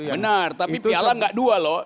benar tapi piala nggak dua loh